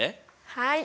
はい！